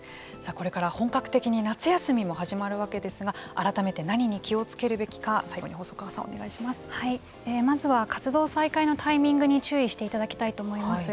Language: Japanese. これから本格的に夏休みも始まるわけですが改めて何に気をつけるべきかまずは活動再開のタイミングに注意していただきたいと思います。